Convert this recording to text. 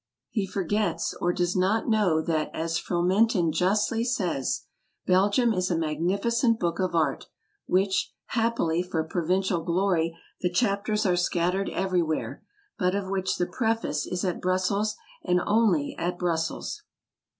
He forgets, or does not know, that, as Fromentin justly says, "Belgium is a magnificent book of art, of which, happily for provincial glory, the chapters are scattered everywhere, but of which the preface is at Brussels, and only at Brussels.